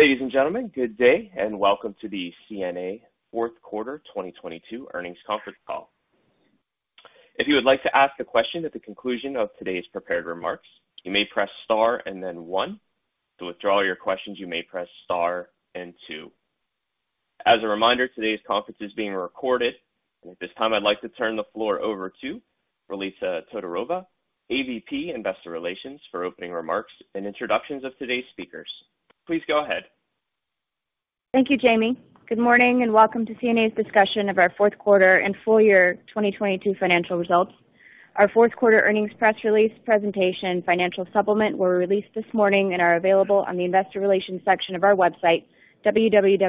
Ladies and gentlemen, good day and welcome to the CNA Q4 2022 earnings conference call. If you would like to ask a question at the conclusion of today's prepared remarks, you may press star and one. To withdraw your questions, you may press star and two. As a reminder, today's conference is being recorded. At this time, I'd like to turn the floor over to Ralitza Todorova, AVP Investor Relations for opening remarks and introductions of today's speakers. Please go ahead. Thank you, Jamie. Good morning and welcome to CNA's discussion of our Q4 and full year 2022 financial results. Our Q4 earnings press release presentation financial supplement were released this morning and are available on the investor relations section of our website, www.cna.com.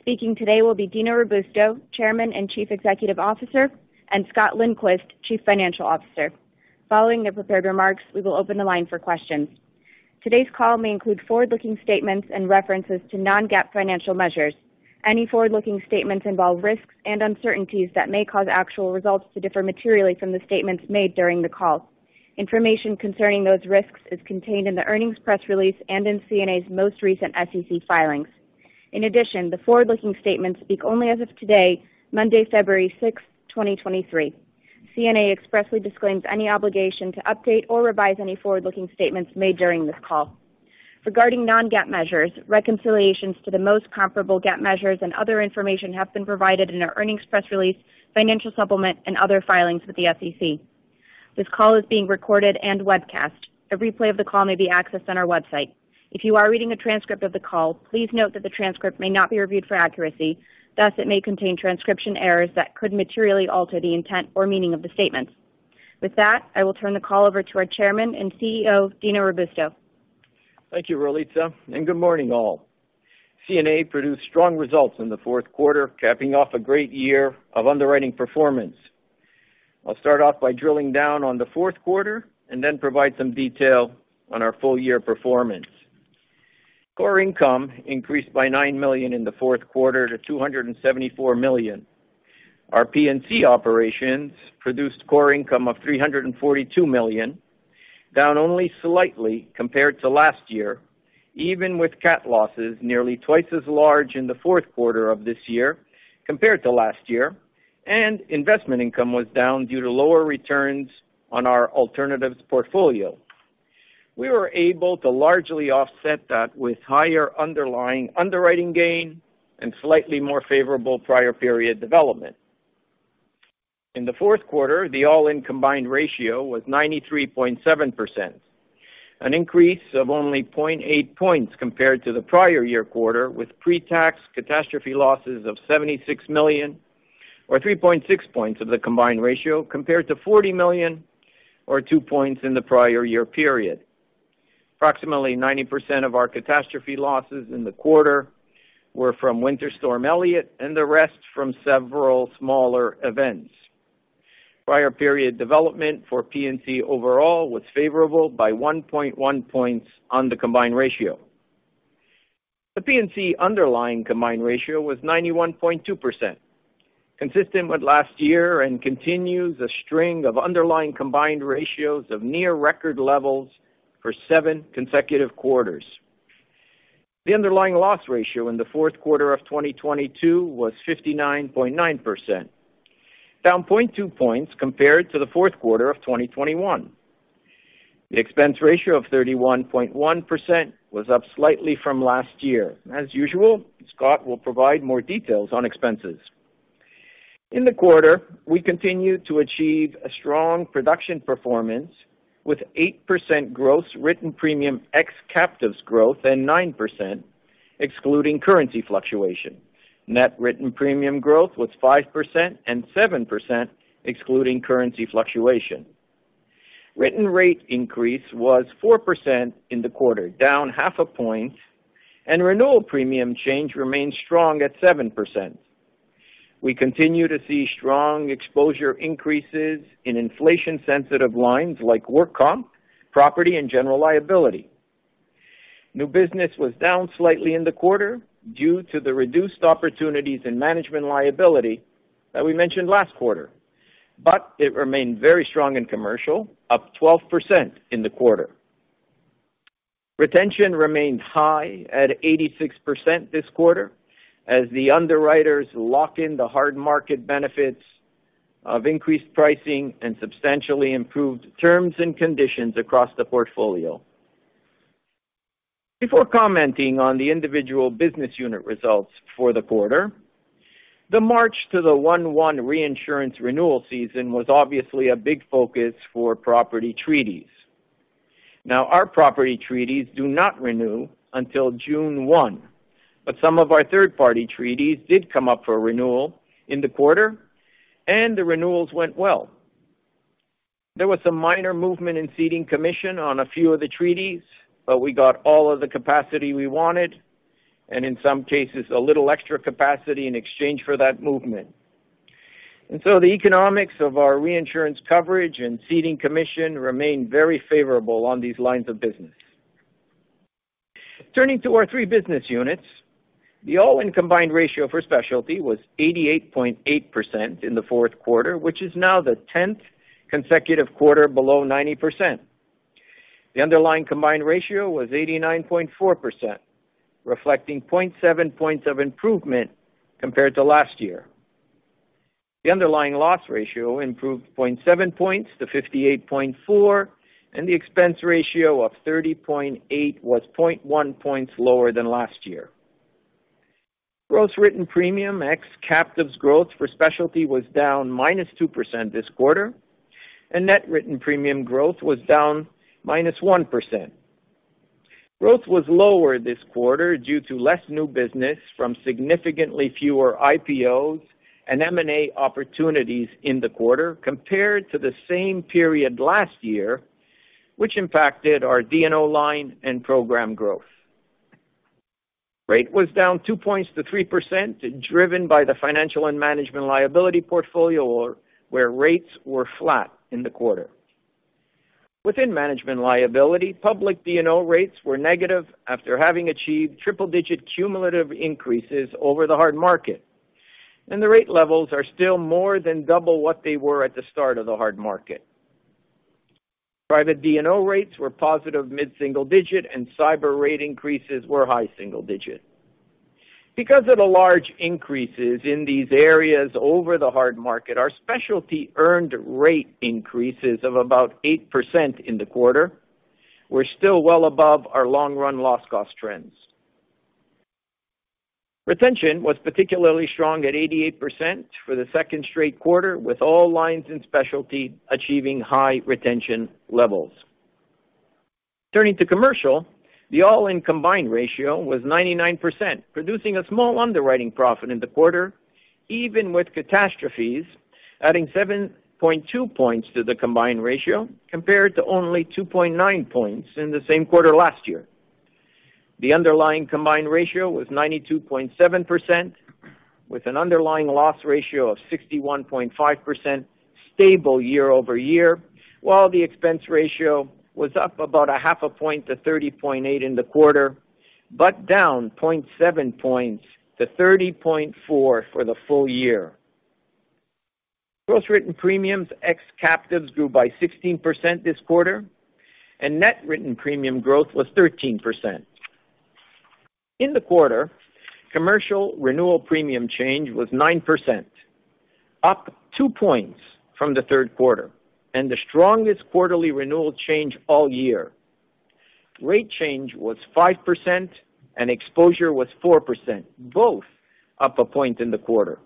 Speaking today will be Dino Robusto, Chairman and Chief Executive Officer, and Scott Lindquist, Chief Financial Officer. Following their prepared remarks, we will open the line for questions. Today's call may include forward-looking statements and references to non-GAAP financial measures. Any forward-looking statements involve risks and uncertainties that may cause actual results to differ materially from the statements made during the call. Information concerning those risks is contained in the earnings press release and in CNA's most recent SEC filings. The forward-looking statements speak only as of today, Monday, February 6th, 2023. CNA expressly disclaims any obligation to update or revise any forward-looking statements made during this call. Regarding non-GAAP measures, reconciliations to the most comparable GAAP measures and other information have been provided in our earnings press release, financial supplement, and other filings with the SEC. This call is being recorded and webcast. A replay of the call may be accessed on our website. If you are reading a transcript of the call, please note that the transcript may not be reviewed for accuracy. Thus, it may contain transcription errors that could materially alter the intent or meaning of the statements. With that, I will turn the call over to our Chairman and CEO, Dino Robusto. Thank you, Rolitza. Good morning, all. CNA produced strong results in the Q4, capping off a great year of underwriting performance. I'll start off by drilling down on the Q4. Then provide some detail on our full-year performance. Core income increased by $9 million in the Q4 to $274 million. Our P&C operations produced core income of $342 million, down only slightly compared to last year, even with cat losses nearly twice as large in the Q4 of this year compared to last year. Investment income was down due to lower returns on our alternatives portfolio. We were able to largely offset that with higher underlying underwriting gain and slightly more favorable prior period development. In the Q4, the all-in combined ratio was 93.7%, an increase of only 0.8 points compared to the prior year quarter, with pre-tax catastrophe losses of $76 million, or 3.6 points of the combined ratio, compared to $40 million or two points in the prior year period. Approximately 90% of our catastrophe losses in the quarter were from Winter Storm Elliott and the rest from several smaller events. Prior period development for P&C overall was favorable by 1.1 points on the combined ratio. The P&C underlying combined ratio was 91.2%, consistent with last year and continues a string of underlying combined ratios of near record levels for seven consecutive quarters. The underlying loss ratio in the Q4 of 2022 was 59.9%, down 0.2 points compared to the Q4 of 2021. The expense ratio of 31.1% was up slightly from last year. As usual, Scott will provide more details on expenses. In the quarter, we continued to achieve a strong production performance with 8% gross written premium ex captives growth and 9% excluding currency fluctuation. Net written premium growth was 5% and 7% excluding currency fluctuation. Written rate increase was 4% in the quarter, down half a point, and renewal premium change remains strong at 7%. We continue to see strong exposure increases in inflation-sensitive lines like work comp, property, and general liability. New business was down slightly in the quarter due to the reduced opportunities in management liability that we mentioned last quarter, but it remained very strong in commercial, up 12% in the quarter. Retention remained high at 86% this quarter as the underwriters lock in the hard market benefits of increased pricing and substantially improved terms and conditions across the portfolio. Before commenting on the individual business unit results for the quarter, the March to the 1/1 reinsurance renewal season was obviously a big focus for property treaties. Now, our property treaties do not renew until June 1, but some of our third-party treaties did come up for renewal in the quarter, and the renewals went well. There was a minor movement in ceding commission on a few of the treaties, but we got all of the capacity we wanted, and in some cases, a little extra capacity in exchange for that movement. The economics of our reinsurance coverage and ceding commission remained very favorable on these lines of business. Turning to our three business units. The all-in combined ratio for specialty was 88.8% in the Q4, which is now the 10th consecutive quarter below 90%. The underlying combined ratio was 89.4%, reflecting 0.7 points of improvement compared to last year. The underlying loss ratio improved 0.7 points to 58.4%, and the expense ratio of 30.8% was 0.1 points lower than last year. Gross written premium ex captives growth for specialty was down -2% this quarter. Net written premium growth was down -1%. Growth was lower this quarter due to less new business from significantly fewer IPOs and M&A opportunities in the quarter compared to the same period last year, which impacted our D&O line and program growth. Rate was down two points to 3%, driven by the financial and management liability portfolio where rates were flat in the quarter. Within management liability, Public D&O rates were negative after having achieved triple-digit cumulative increases over the hard market. The rate levels are still more than double what they were at the start of the hard market. Private D&O rates were positive mid-single digit and cyber rate increases were high single digit. Because of the large increases in these areas over the hard market, our specialty earned rate increases of about 8% in the quarter were still well above our long-run loss cost trends. Retention was particularly strong at 88% for the second straight quarter, with all lines in specialty achieving high retention levels. Turning to commercial, the all-in combined ratio was 99%, producing a small underwriting profit in the quarter, even with catastrophes adding 7.2 points to the combined ratio compared to only 2.9 points in the same quarter last year. The underlying combined ratio was 92.7%, with an underlying loss ratio of 61.5% stable year-over-year, while the expense ratio was up about 0.5 points to 30.8 in the quarter, but down 0.7 points to 30.4 for the full year. Gross written premiums ex captives grew by 16% this quarter and net written premium growth was 13%. In the quarter, commercial renewal premium change was 9%, up two points from the Q3 and the strongest quarterly renewal change all year. Rate change was 5% and exposure was 4%, both up one point in the quarter.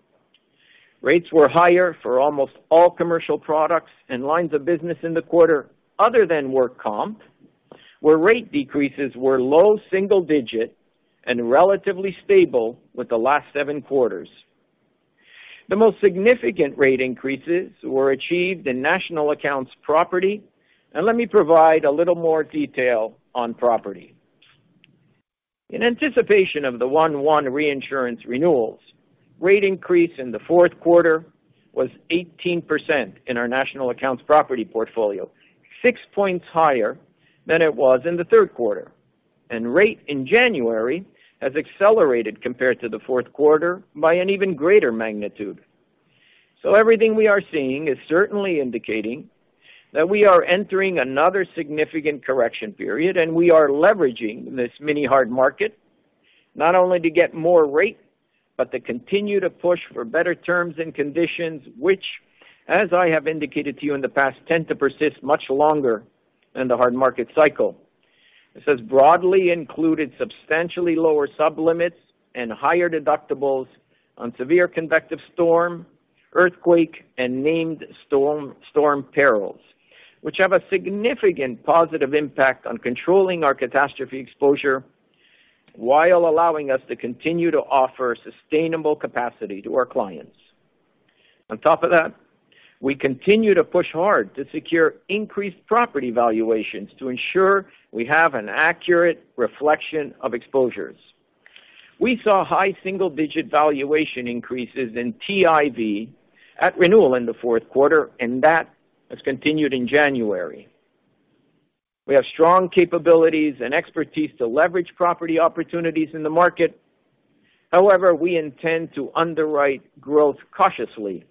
Rates were higher for almost all commercial products and lines of business in the quarter other than work comp, where rate decreases were low single-digit and relatively stable with the last seven quarters. The most significant rate increases were achieved in National Accounts property. Let me provide a little more detail on property. In anticipation of the 1/1 reinsurance renewals, rate increase in the Q4 was 18% in our National Accounts property portfolio, six points higher than it was in the Q3. Rate in January has accelerated compared to the Q4 by an even greater magnitude. Everything we are seeing is certainly indicating that we are entering another significant correction period, and we are leveraging this mini hard market not only to get more rate, but to continue to push for better terms and conditions, which, as I have indicated to you in the past, tend to persist much longer than the hard market cycle. This has broadly included substantially lower sublimits and higher deductibles on severe convective storm, earthquake, and named storm perils, which have a significant positive impact on controlling our catastrophe exposure while allowing us to continue to offer sustainable capacity to our clients. On top of that, we continue to push hard to secure increased property valuations to ensure we have an accurate reflection of exposures. We saw high single-digit valuation increases in TIV at renewal in the Q4, and that has continued in January. We have strong capabilities and expertise to leverage property opportunities in the market. However, we intend to underwrite growth cautiously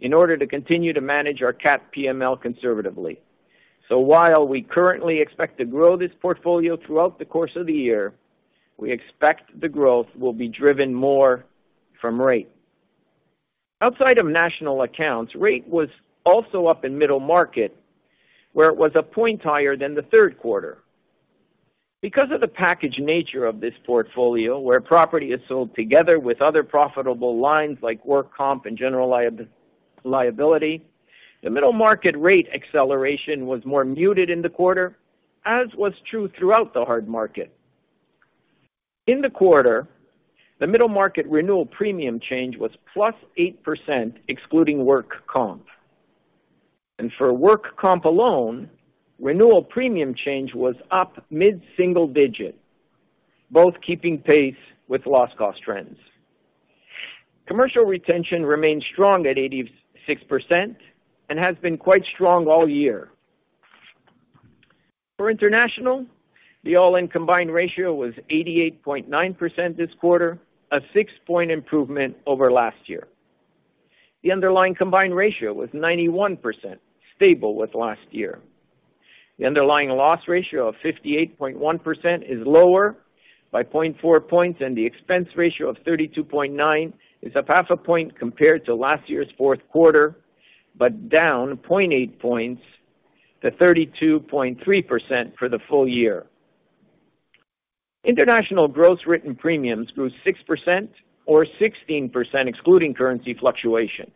in order to continue to manage our cat PML conservatively. While we currently expect to grow this portfolio throughout the course of the year, we expect the growth will be driven more from rate. Outside of National Accounts, rate was also up in middle market, where it was a point higher than the Q3. Because of the package nature of this portfolio, where property is sold together with other profitable lines like work comp and general liability, the middle market rate acceleration was more muted in the quarter, as was true throughout the hard market. In the quarter, the middle market renewal premium change was +8% excluding work comp. For work comp alone, renewal premium change was up mid-single digit, both keeping pace with loss cost trends. Commercial retention remains strong at 86% and has been quite strong all year. For international, the all-in combined ratio was 88.9% this quarter, a six-point improvement over last year. The underlying combined ratio was 91%, stable with last year. The underlying loss ratio of 58.1% is lower by 0.4 points, and the expense ratio of 32.9 is up 0.5 points compared to last year's Q4, but down 0.8 points to 32.3% for the full year. International gross written premiums grew 6% or 16% excluding currency fluctuation.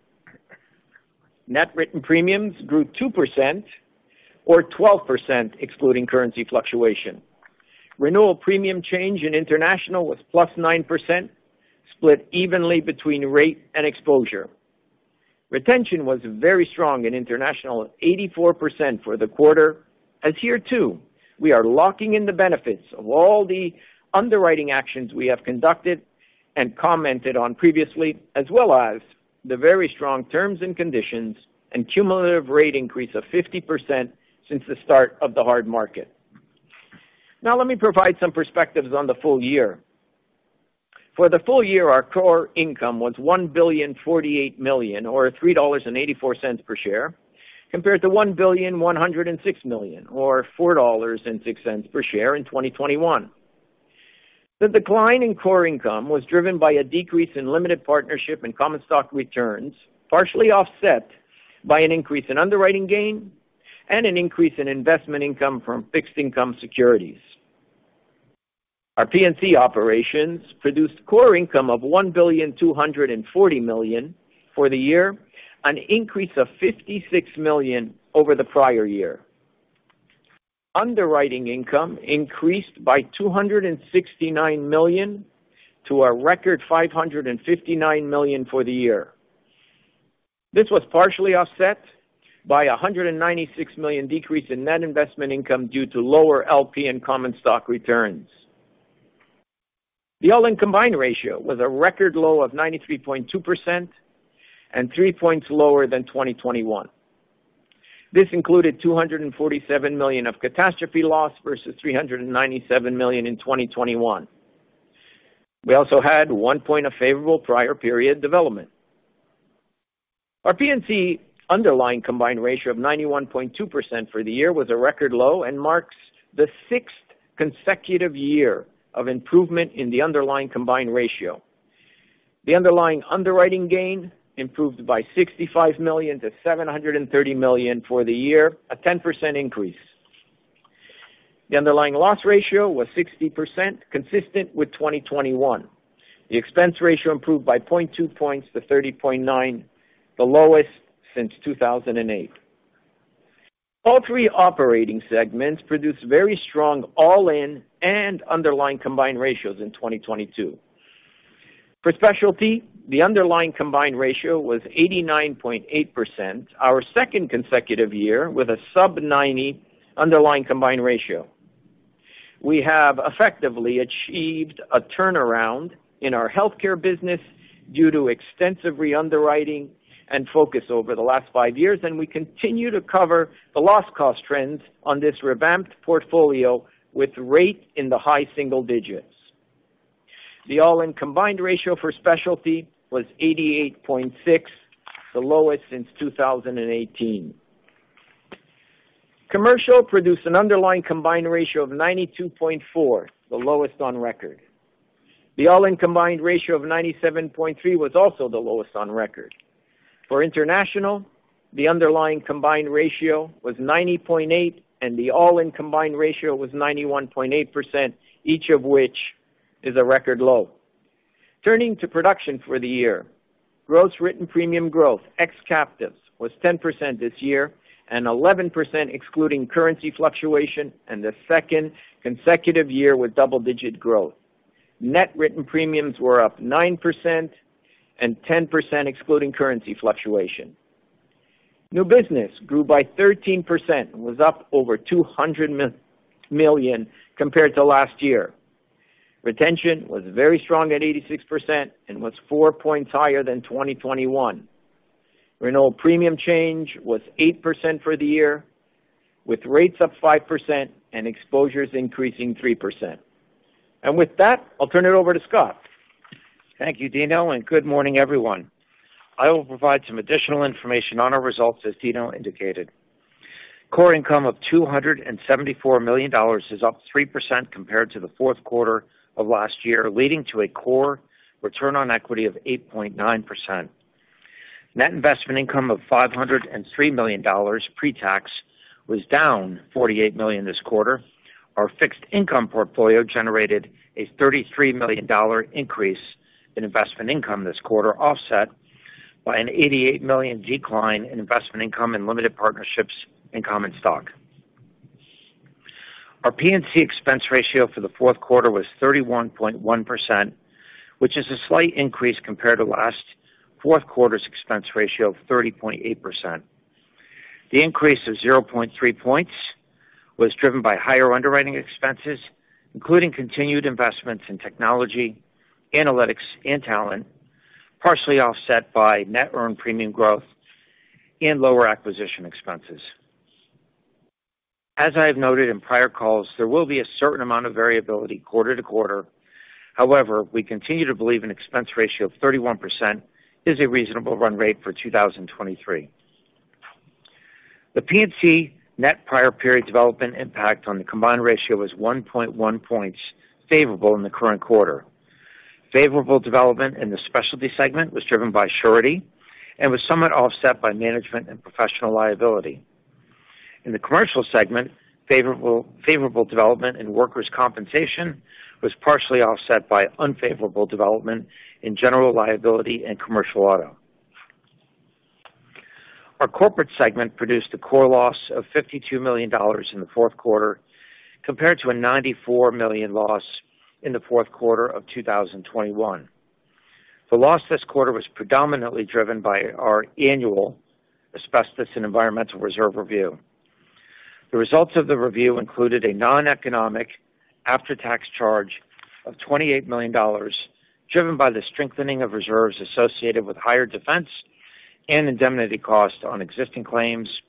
Net written premiums grew 2% or 12% excluding currency fluctuation. Renewal premium change in international was +9%, split evenly between rate and exposure. Retention was very strong in international, 84% for the quarter. As year two, we are locking in the benefits of all the underwriting actions we have conducted and commented on previously, as well as the very strong terms and conditions and cumulative rate increase of 50% since the start of the hard market. Let me provide some perspectives on the full year. For the full year, our core income was $1.048 billion, or $3.84 per share, compared to $1.106 billion, or $4.06 per share in 2021. The decline in core income was driven by a decrease in limited partnership and common stock returns, partially offset by an increase in underwriting gain and an increase in investment income from fixed income securities. Our P&C operations produced core income of $1.240 billion for the year, an increase of $56 million over the prior year. Underwriting income increased by $269 million to a record $559 million for the year. This was partially offset by a $196 million decrease in net investment income due to lower LP and common stock returns. The all-in combined ratio was a record low of 93.2% and three points lower than 2021. This included $247 million of catastrophe loss versus $397 million in 2021. We also had one point of favorable prior period development. Our P&C underlying combined ratio of 91.2% for the year was a record low and marks the sixth consecutive year of improvement in the underlying combined ratio. The underlying underwriting gain improved by $65 million-$730 million for the year, a 10% increase. The underlying loss ratio was 60%, consistent with 2021. The expense ratio improved by 0.2 points to 30.9, the lowest since 2008. All three operating segments produced very strong all-in and underlying combined ratios in 2022. For Specialty, the underlying combined ratio was 89.8%, our second consecutive year with a sub 90 underlying combined ratio. We have effectively achieved a turnaround in our healthcare business due to extensive re-underwriting and focus over the last five years, and we continue to cover the loss cost trends on this revamped portfolio with rate in the high single digits. The all-in combined ratio for Specialty was 88.6, the lowest since 2018. Commercial produced an underlying combined ratio of 92.4, the lowest on record. The all-in combined ratio of 97.3 was also the lowest on record. For international, the underlying combined ratio was 90.8, and the all-in combined ratio was 91.8%, each of which is a record low. Turning to production for the year, gross written premium growth, ex captives, was 10% this year and 11% excluding currency fluctuation and the second consecutive year with double-digit growth. Net written premiums were up 9% and 10% excluding currency fluctuation. New business grew by 13% and was up over $200 million compared to last year. Retention was very strong at 86% and was four points higher than 2021. Renewal premium change was 8% for the year, with rates up 5% and exposures increasing 3%. With that, I'll turn it over to Scott. Thank you, Dino. Good morning, everyone. I will provide some additional information on our results, as Dino indicated. Core income of $274 million is up 3% compared to the Q4 of last year, leading to a core return on equity of 8.9%. Net investment income of $503 million pre-tax was down $48 million this quarter. Our fixed income portfolio generated a $33 million increase in investment income this quarter, offset by an $88 million decline in investment income in limited partnerships in common stock. Our P&C expense ratio for the Q4 was 31.1%, which is a slight increase compared to last Q4's expense ratio of 30.8%. The increase of 0.3 points was driven by higher underwriting expenses, including continued investments in technology, analytics, and talent. Partially offset by net earned premium growth and lower acquisition expenses. As I have noted in prior calls, there will be a certain amount of variability quarter to quarter. We continue to believe an expense ratio of 31% is a reasonable run rate for 2023. The P&C net prior period development impact on the combined ratio was 1.1 points favorable in the current quarter. Favorable development in the specialty segment was driven by surety and was somewhat offset by management and professional liability. In the commercial segment, favorable development in workers' compensation was partially offset by unfavorable development in general liability and commercial auto. Our corporate segment produced a core loss of $52 million in the Q4 compared to a $94 million loss in the Q4 of 2021. The loss this quarter was predominantly driven by our annual asbestos and environmental reserve review. The results of the review included a non-economic after-tax charge of $28 million, driven by the strengthening of reserves associated with higher defense and indemnity costs on existing claims,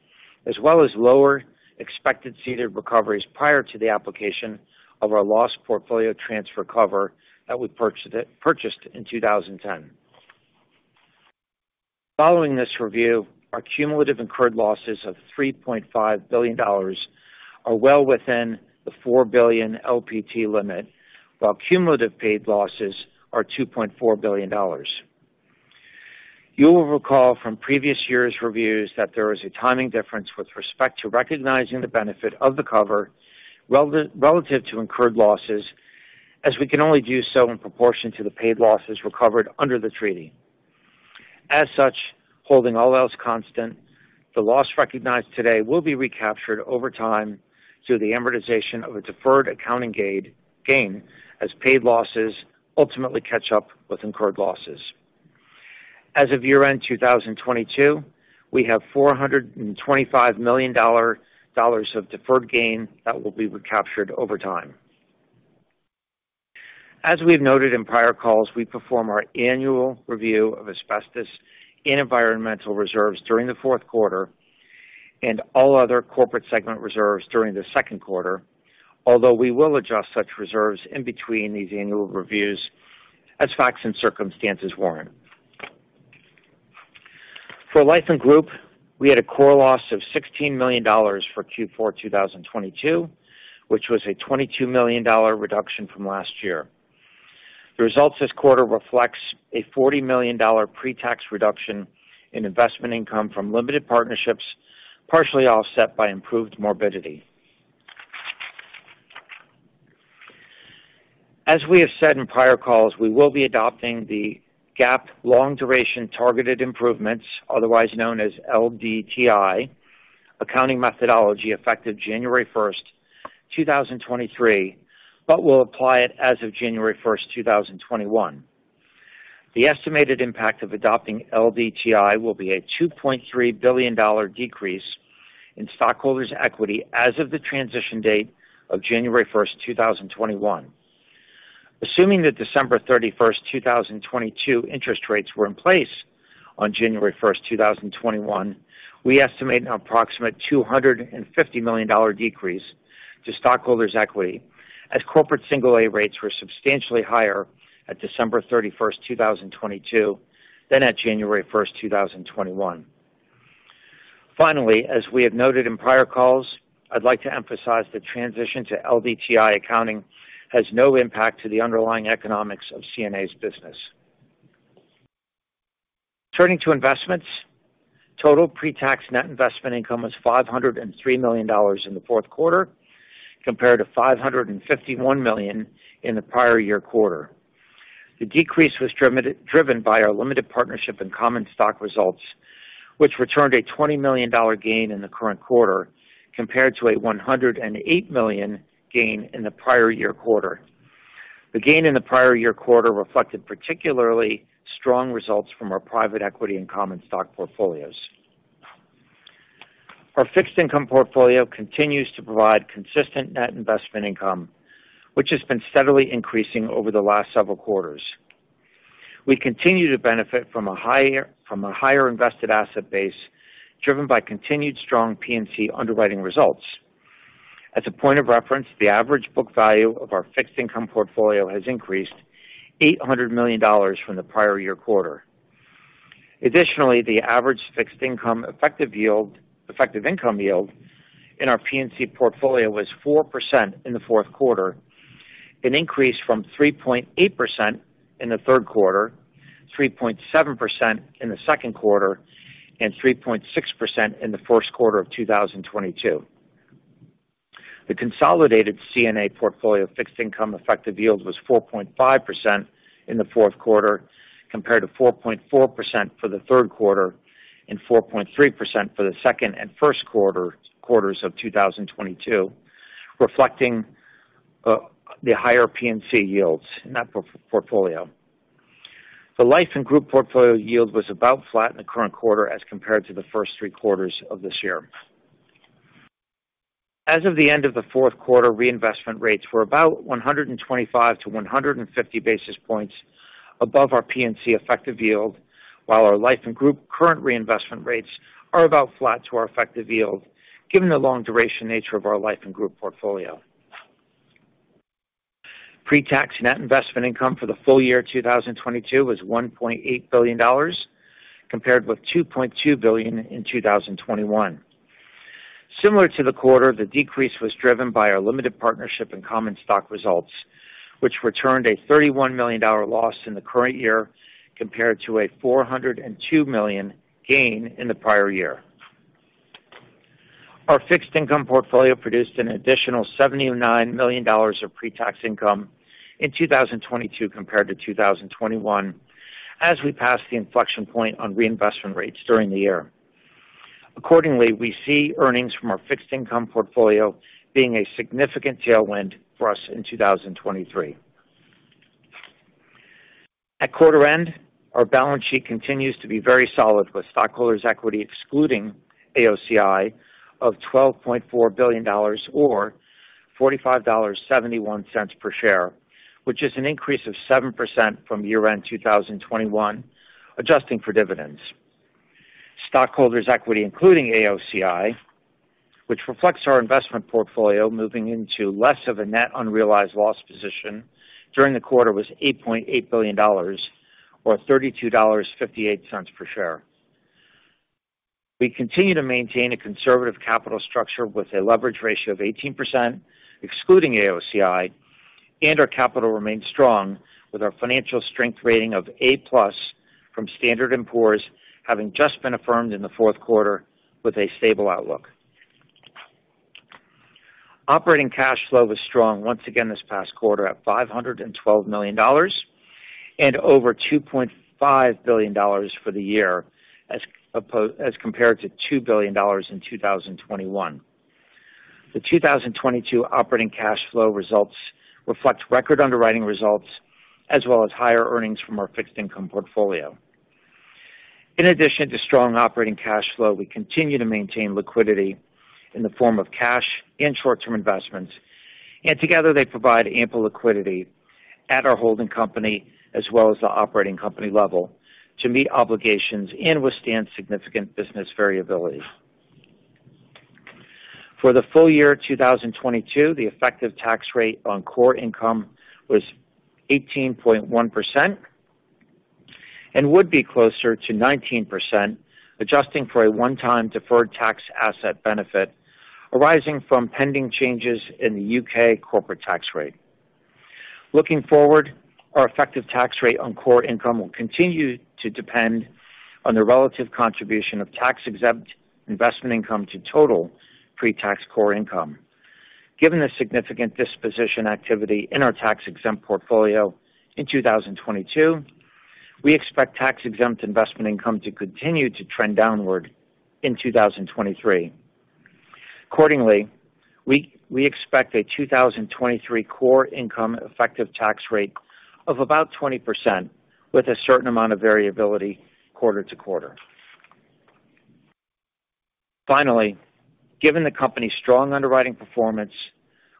as well as lower expected ceded recoveries prior to the application of our loss portfolio transfer cover that we purchased in 2010. Following this review, our cumulative incurred losses of $3.5 billion are well within the $4 billion LPT limit, while cumulative paid losses are $2.4 billion. You will recall from previous years' reviews that there is a timing difference with respect to recognizing the benefit of the cover relative to incurred losses, as we can only do so in proportion to the paid losses recovered under the treaty. As such, holding all else constant, the loss recognized today will be recaptured over time through the amortization of a deferred accounting gain as paid losses ultimately catch up with incurred losses. As of year-end 2022, we have $425 million of deferred gain that will be recaptured over time. As we've noted in prior calls, we perform our annual review of asbestos and environmental reserves during the Q4 and all other corporate segment reserves during the Q2. Although we will adjust such reserves in between these annual reviews as facts and circumstances warrant. For Life & Group, we had a core loss of $16 million for Q4 2022, which was a $22 million reduction from last year. The results this quarter reflects a $40 million pre-tax reduction in investment income from limited partnerships, partially offset by improved morbidity. As we have said in prior calls, we will be adopting the GAAP Long Duration Targeted Improvements, otherwise known as LDTI, accounting methodology effective January 1st, 2023, but we'll apply it as of January 1st, 2021. The estimated impact of adopting LDTI will be a $2.3 billion decrease in stockholders' equity as of the transition date of January 1st, 2021. Assuming that December 31st, 2022 interest rates were in place on January 1st, 2021, we estimate an approximate $250 million decrease to stockholders' equity as corporate single A rates were substantially higher at December 31st, 2022 than at January 1st, 2021. Finally, as we have noted in prior calls, I'd like to emphasize the transition to LDTI accounting has no impact to the underlying economics of CNA's business. Turning to investments, total pre-tax net investment income was $503 million in the Q4 compared to $551 million in the prior year quarter. The decrease was driven by our limited partnership and common stock results, which returned a $20 million gain in the current quarter compared to a $108 million gain in the prior year quarter. The gain in the prior year quarter reflected particularly strong results from our private equity and common stock portfolios. Our fixed income portfolio continues to provide consistent net investment income, which has been steadily increasing over the last several quarters. We continue to benefit from a higher invested asset base driven by continued strong P&C underwriting results. As a point of reference, the average book value of our fixed income portfolio has increased $800 million from the prior year quarter. Additionally, the average fixed income effective income yield in our P&C portfolio was 4% in the Q4, an increase from 3.8% in the Q3, 3.7% in the Q2, and 3.6% in the Q1 of 2022. The consolidated CNA portfolio fixed income effective yield was 4.5% in the Q4 compared to 4.4% for the Q3 and 4.3% for the Q2 and Q1s of 2022, reflecting the higher P&C yields in that portfolio. The Life & Group portfolio yield was about flat in the current quarter as compared to the first three quarters of this year. As of the end of the Q4, reinvestment rates were about 125-150 basis points above our P&C effective yield, while our Life & Group current reinvestment rates are about flat to our effective yield, given the long duration nature of our Life & Group portfolio. Pre-tax net investment income for the full year 2022 was $1.8 billion, compared with $2.2 billion in 2021. Similar to the quarter, the decrease was driven by our limited partnership and common stock results, which returned a $31 million loss in the current year compared to a $402 million gain in the prior year. Our fixed income portfolio produced an additional $79 million of pre-tax income in 2022 compared to 2021 as we passed the inflection point on reinvestment rates during the year. We see earnings from our fixed income portfolio being a significant tailwind for us in 2023. At quarter end, our balance sheet continues to be very solid with stockholders' equity excluding AOCI of $12.4 billion or $45.71 per share, which is an increase of 7% from year-end 2021 adjusting for dividends. Stockholders' equity including AOCI, which reflects our investment portfolio moving into less of a net unrealized loss position during the quarter, was $8.8 billion or $32.58 per share. We continue to maintain a conservative capital structure with a leverage ratio of 18% excluding AOCI. Our capital remains strong with our financial strength rating of A+ from Standard & Poor's, having just been affirmed in the Q4 with a stable outlook. Operating cash flow was strong once again this past quarter at $512 million and over $2.5 billion for the year as compared to $2 billion in 2021. The 2022 operating cash flow results reflect record underwriting results as well as higher earnings from our fixed income portfolio. In addition to strong operating cash flow, we continue to maintain liquidity in the form of cash and short-term investments, and together, they provide ample liquidity at our holding company as well as the operating company level to meet obligations and withstand significant business variability. For the full year 2022, the effective tax rate on core income was 18.1% and would be closer to 19%, adjusting for a one-time deferred tax asset benefit arising from pending changes in the UK corporate tax rate. Looking forward, our effective tax rate on core income will continue to depend on the relative contribution of tax-exempt investment income to total pre-tax core income. Given the significant disposition activity in our tax-exempt portfolio in 2022, we expect tax-exempt investment income to continue to trend downward in 2023. Accordingly, we expect a 2023 core income effective tax rate of about 20% with a certain amount of variability quarter to quarter. Given the company's strong underwriting performance,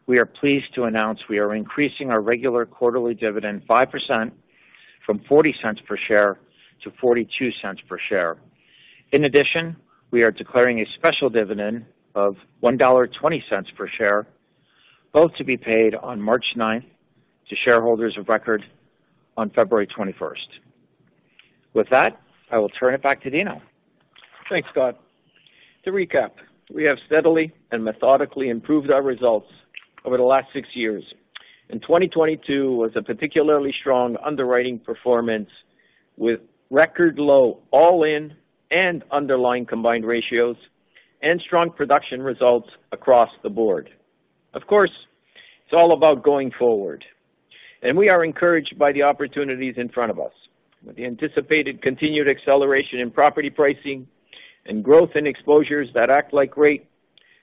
we are pleased to announce we are increasing our regular quarterly dividend 5% from $0.40 per share to $0.42 per share. We are declaring a special dividend of $1.20 per share, both to be paid on March 9th to shareholders of record on February 21st. I will turn it back to Dino. Thanks, Scott. To recap, we have steadily and methodically improved our results over the last six years. 2022 was a particularly strong underwriting performance with record low all-in and underlying combined ratios and strong production results across the board. Of course, it's all about going forward. We are encouraged by the opportunities in front of us. With the anticipated continued acceleration in property pricing and growth in exposures that act like rate,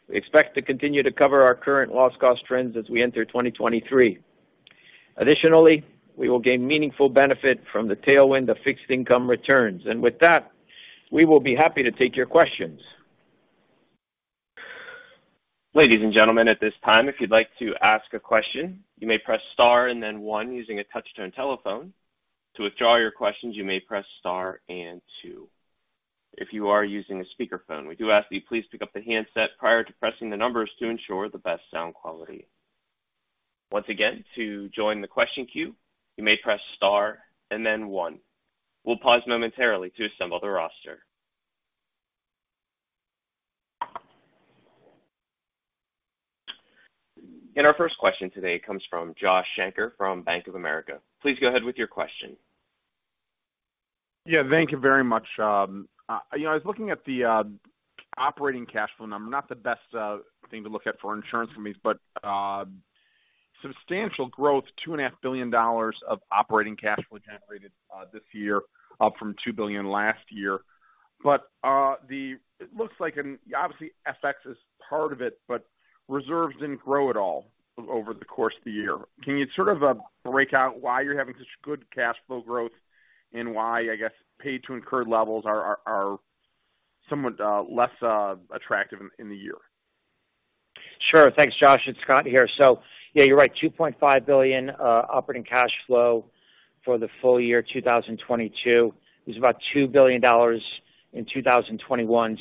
we expect to continue to cover our current loss cost trends as we enter 2023. Additionally, we will gain meaningful benefit from the tailwind of fixed income returns. With that, we will be happy to take your questions. Ladies and gentlemen, at this time, if you'd like to ask a question, you may press star and then one using a touch-tone telephone. To withdraw your questions, you may press star and two. If you are using a speakerphone, we do ask that you please pick up the handset prior to pressing the numbers to ensure the best sound quality. Once again, to join the question queue, you may press star and then one. We'll pause momentarily to assemble the roster. Our first question today comes from Joshua Shanker from Bank of America. Please go ahead with your question. Yeah, thank you very much. You know, I was looking at the operating cash flow number, not the best thing to look at for insurance for me, substantial growth, $2.5 billion of operating cash flow generated this year, up from $2 billion last year. It looks like obviously, FX is part of it, but reserves didn't grow at all over the course of the year. Can you sort of break out why you're having such good cash flow growth? Why, I guess, paid to incurred levels are somewhat less attractive in the year. Sure. Thanks, Josh. It's Scott here. Yeah, you're right, $2.5 billion operating cash flow for the full year 2022. It was about $2 billion in 2021.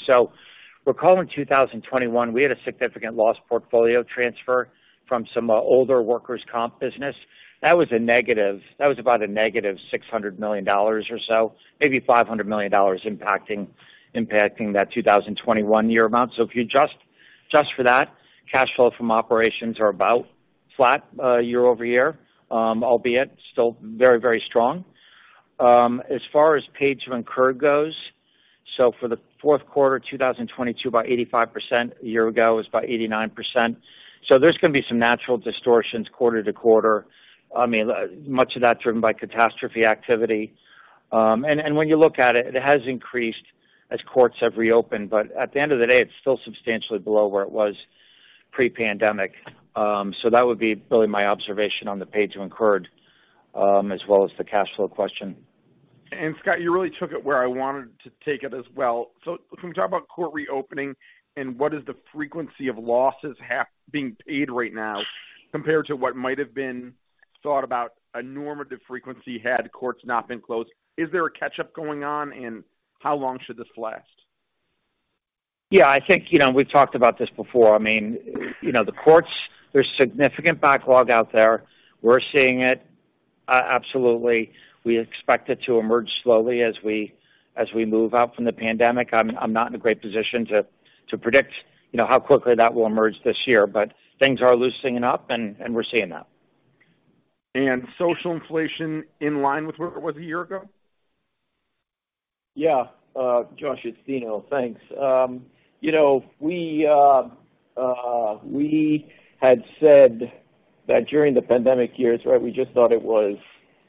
Recall in 2021, we had a significant loss portfolio transfer from some older workers' comp business. That was about a negative $600 million or so, maybe $500 million impacting that 2021 year amount. If you adjust for that, cash flow from operations are about flat year-over-year, albeit still very, very strong. As far as paid to incurred goes, for the Q4 2022, about 85%. A year ago, it was about 89%. There's gonna be some natural distortions quarter to quarter, I mean, much of that driven by catastrophe activity. When you look at it has increased as courts have reopened, but at the end of the day, it's still substantially below where it was pre-pandemic. That would be really my observation on the paid to incurred, as well as the cash flow question. Scott, you really took it where I wanted to take it as well. Can we talk about court reopening and what is the frequency of losses half being paid right now compared to what might have been thought about a normative frequency had courts not been closed? Is there a catch-up going on, and how long should this last? Yeah, I think, you know, we've talked about this before. I mean, you know, the courts, there's significant backlog out there. We're seeing it. Absolutely. We expect it to emerge slowly as we move out from the pandemic. I'm not in a great position to predict, you know, how quickly that will emerge this year. Things are loosening up and we're seeing that. Social inflation in line with where it was a year ago? Yeah. Josh, it's Dino. Thanks. You know, we had said that during the pandemic years, right, we just thought it was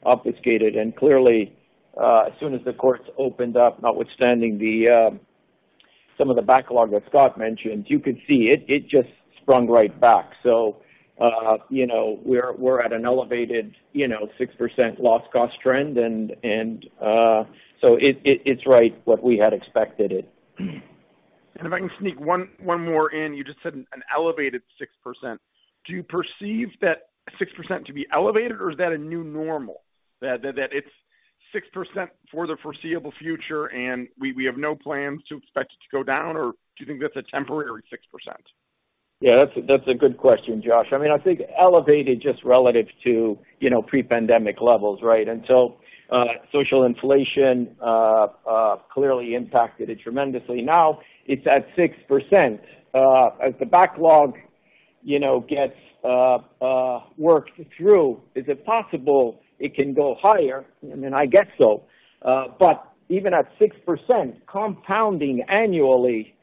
obfuscated. Clearly, as soon as the courts opened up, notwithstanding the some of the backlog that Scott mentioned, you could see it just sprung right back. You know, we're at an elevated, you know, 6% loss cost trend. It's right what we had expected it. If I can sneak one more in. You just said an elevated 6%. Do you perceive that 6% to be elevated or is that a new normal? That it's 6% for the foreseeable future, and we have no plans to expect it to go down, or do you think that's a temporary 6%? Yeah, that's a good question, Josh. I mean, I think elevated just relative to, you know, pre-pandemic levels, right? Until social inflation clearly impacted it tremendously. Now it's at 6%. As the backlog, you know, gets worked through, is it possible it can go higher? I mean, I guess so. Even at 6% compounding annually,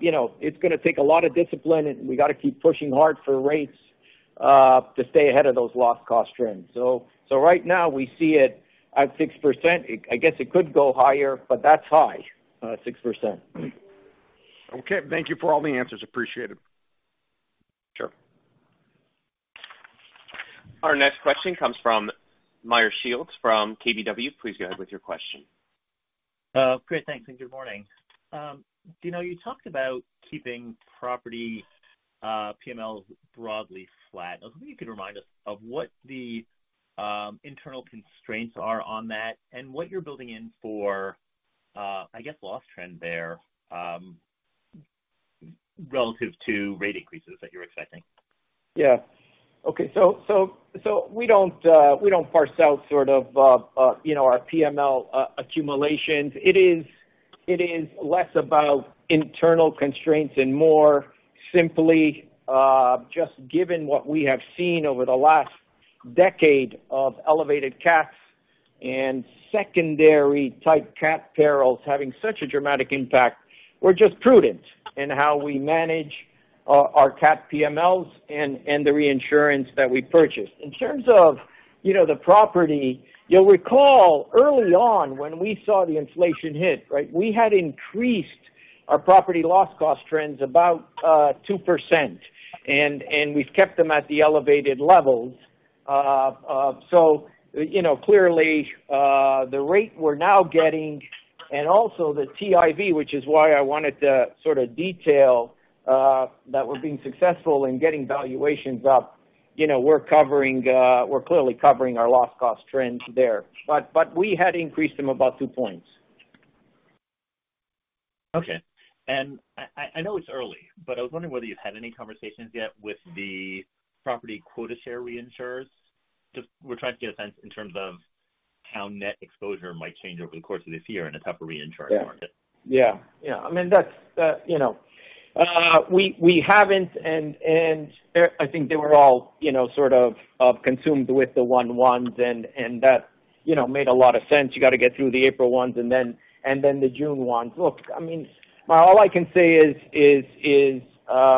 you know, it's gonna take a lot of discipline, and we gotta keep pushing hard for rates to stay ahead of those loss cost trends. Right now we see it at 6%. I guess it could go higher, but that's high, 6%. Okay. Thank you for all the answers. Appreciate it. Sure. Our next question comes from Meyer Shields from KBW. Please go ahead with your question. Great. Thanks. Good morning. Dino, you talked about keeping property PMLs broadly flat. I was wondering if you could remind us of what the internal constraints are on that and what you're building in for, I guess, loss trend there, relative to rate increases that you're expecting. Yeah. Okay. We don't parse out sort of, you know, our PML accumulations. It is less about internal constraints and more simply, just given what we have seen over the last decade of elevated cats and secondary type cat perils having such a dramatic impact, we're just prudent in how we manage our cat PMLs and the reinsurance that we purchased. In terms of, you know, the property, you'll recall early on when we saw the inflation hit, right? We had increased our property loss cost trends about 2%, and we've kept them at the elevated levels. You know, clearly, the rate we're now getting and also the TIV, which is why I wanted to sort of detail, that we're being successful in getting valuations up. You know, we're covering, we're clearly covering our loss cost trends there. We had increased them about two points. Okay. I know it's early, but I was wondering whether you've had any conversations yet with the property quota share reinsurers. Just we're trying to get a sense in terms of how net exposure might change over the course of this year in a tougher reinsurance market. Yeah. Yeah. I mean, that's, you know. We haven't, and I think they were all, you know, sort of consumed with the one ones and that, you know, made a lot of sense. You gotta get through the April ones and then the June ones. Look, I mean, all I can say is,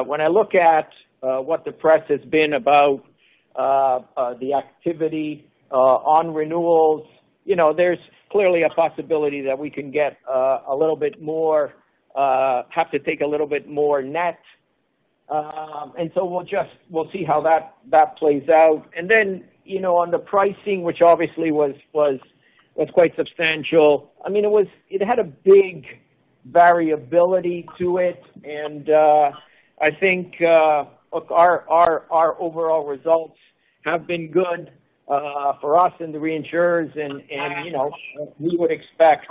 when I look at what the press has been about the activity on renewals, you know, there's clearly a possibility that we can get a little bit more, have to take a little bit more net. We'll see how that plays out. And then, you know, on the pricing, which obviously was quite substantial. I mean, it had a big variability to it. I think, look, our overall results have been good for us in the reinsurance and, you know, we would expect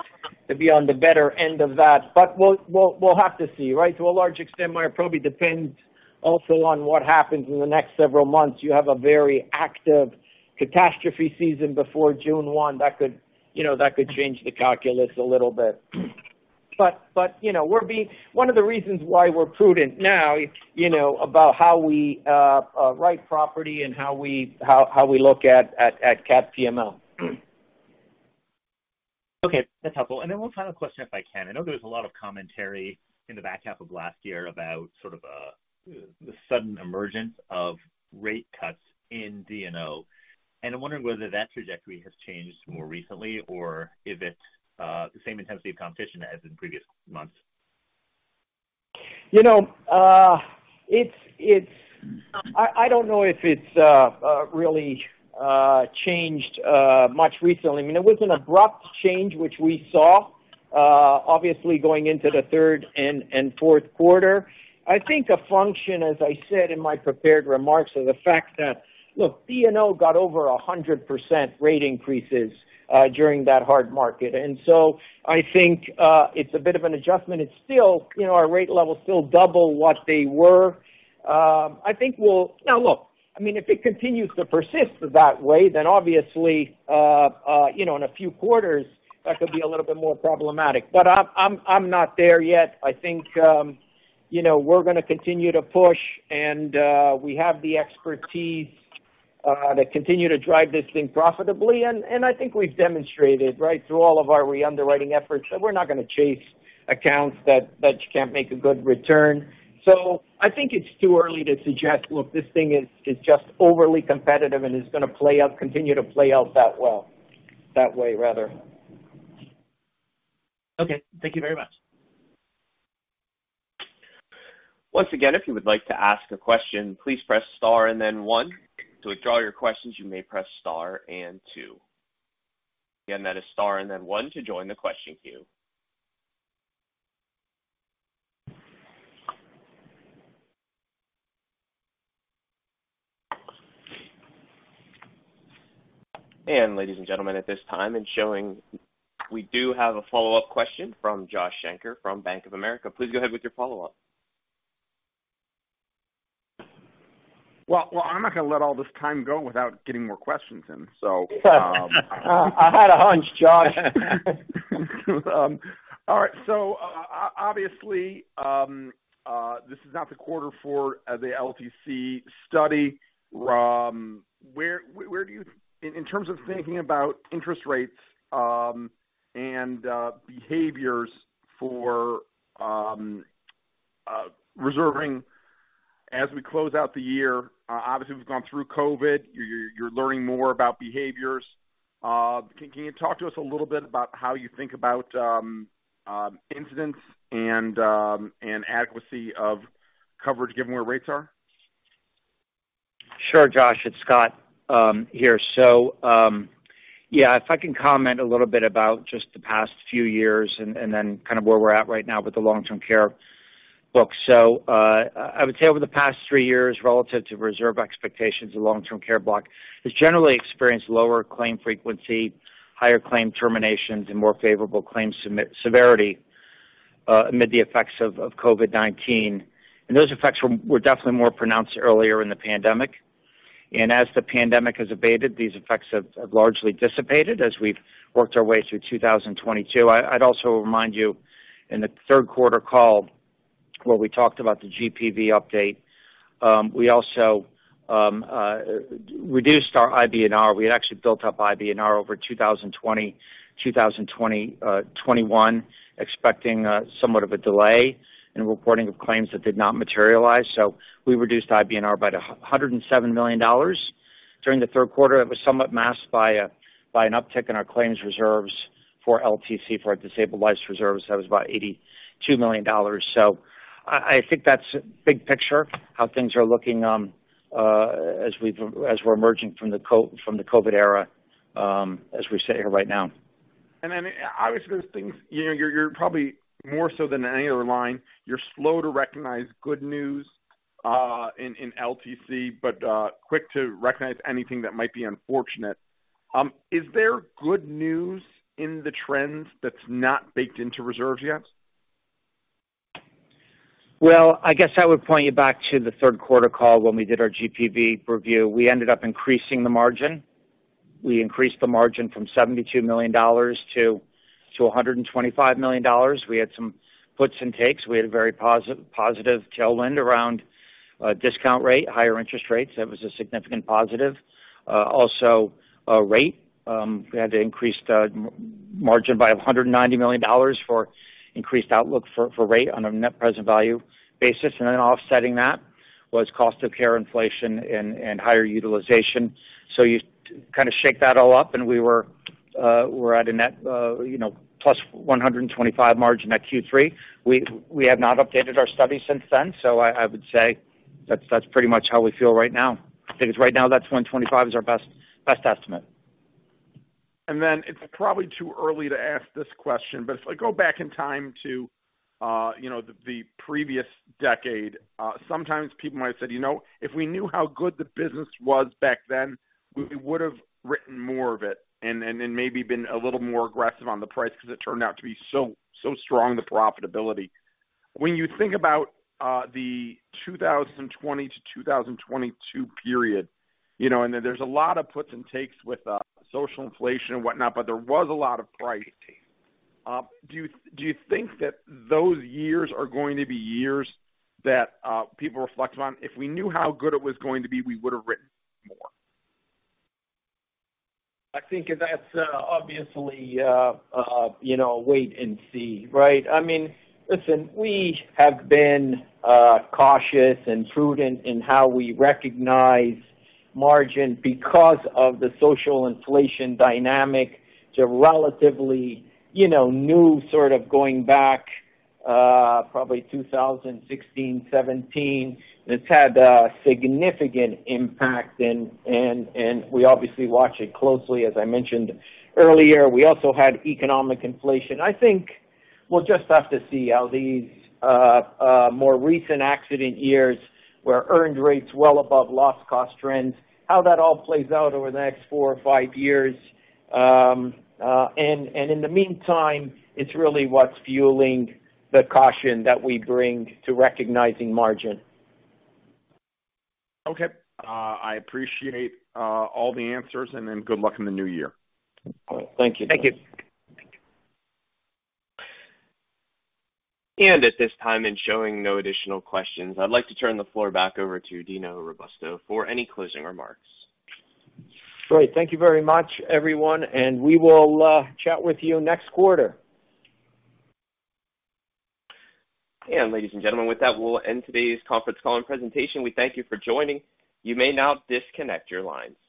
to be on the better end of that, but we'll have to see, right? To a large extent, it probably depends also on what happens in the next several months. You have a very active catastrophe season before June 1 that could, you know, that could change the calculus a little bit. You know, one of the reasons why we're prudent now, you know, about how we write property and how we look at cat PML. Okay, that's helpful. One final question, if I can. I know there was a lot of commentary in the back half of last year about sort of the sudden emergence of rate cuts in D&O, and I'm wondering whether that trajectory has changed more recently or is it the same intensity of competition as in previous months? You know, it's I don't know if it's really changed much recently. I mean, it was an abrupt change, which we saw, obviously going into the third and Q4. I think a function, as I said in my prepared remarks, of the fact that, look, D&O got over 100% rate increases, during that hard market. I think, it's a bit of an adjustment. It's still, you know, our rate levels still double what they were. I think we'll. Now, look, I mean, if it continues to persist that way, obviously, you know, in a few quarters that could be a little bit more problematic. I'm not there yet. I think, you know, we're gonna continue to push and we have the expertise to continue to drive this thing profitably. I think we've demonstrated, right, through all of our re-underwriting efforts that you can't make a good return. I think it's too early to suggest, look, this thing is just overly competitive and is gonna play out, continue to play out that well, that way rather. Okay. Thank you very much. Once again, if you would like to ask a question, please press star and then one. To withdraw your questions, you may press star and two. Again, that is star and then one to join the question queue. Ladies and gentlemen, at this time it's showing we do have a follow-up question from Joshua Shanker from Bank of America. Please go ahead with your follow-up. Well, I'm not gonna let all this time go without getting more questions in, so. I had a hunch, Josh. All right. Obviously, this is not the quarter for the LTC study. In terms of thinking about interest rates and behaviors for reserving as we close out the year, obviously we've gone through COVID. You're learning more about behaviors. Can you talk to us a little bit about how you think about incidents and adequacy of coverage given where rates are? Sure, Josh. It's Scott here. Yeah, if I can comment a little bit about just the past few years and then kind of where we're at right now with the long-term care book. I would say over the past three years, relative to reserve expectations, the long-term care block has generally experienced lower claim frequency, higher claim terminations, and more favorable claims severity amid the effects of COVID-19. Those effects were definitely more pronounced earlier in the pandemic. As the pandemic has abated, these effects have largely dissipated as we've worked our way through 2022. I'd also remind you in the Q3 call where we talked about the GPV update, we also reduced our IBNR. We had actually built up IBNR over 2020, 2021, expecting somewhat of a delay in reporting of claims that did not materialize. We reduced IBNR by $107 million during the Q3. It was somewhat masked by an uptick in our claims reserves for LTC, for our disabled life reserves. That was about $82 million. I think that's big picture how things are looking as we're emerging from the COVID era, as we sit here right now. Obviously there's things, you know, you're probably more so than any other line, you're slow to recognize good news, in LTC, but quick to recognize anything that might be unfortunate. Is there good news in the trends that's not baked into reserves yet? Well, I guess I would point you back to the Q3 call when we did our GPV review. We ended up increasing the margin. We increased the margin from $72 million to $125 million. We had some puts and takes. We had a very positive tailwind around discount rate, higher interest rates. That was a significant positive. Also, rate. We had to increase the margin by $190 million for increased outlook for rate on a net present value basis. Offsetting that was cost of care inflation and higher utilization. Kind of shake that all up, and we were, we're at a net, you know, plus 125 margin at Q3. We have not updated our study since then, so I would say that's pretty much how we feel right now. Right now, that's 125% is our best estimate. It's probably too early to ask this question, but if I go back in time to, you know, the previous decade, sometimes people might have said, "You know, if we knew how good the business was back then, we would have written more of it and then maybe been a little more aggressive on the price because it turned out to be so strong, the profitability." When you think about, the 2020 to 2022 period, you know, and then there's a lot of puts and takes with, social inflation and whatnot, but there was a lot of pricing. Do you think that those years are going to be years that, people reflect on, if we knew how good it was going to be, we would have written more? I think that's, obviously, you know, wait and see, right? I mean, listen, we have been cautious and prudent in how we recognize margin because of the social inflation dynamic. It's a relatively, you know, new sort of going back, probably 2016, 2017. It's had a significant impact and we obviously watch it closely, as I mentioned earlier. We also had economic inflation. I think we'll just have to see how these, more recent accident years, where earned rates well above loss cost trends, how that all plays out over the next four or five years. In the meantime, it's really what's fueling the caution that we bring to recognizing margin. Okay. I appreciate all the answers and then good luck in the new year. Thank you. Thank you. At this time, and showing no additional questions, I'd like to turn the floor back over to Dino Robusto for any closing remarks. Great. Thank you very much, everyone, we will chat with you next quarter. Ladies and gentlemen, with that, we'll end today's conference call and presentation. We thank you for joining. You may now disconnect your lines.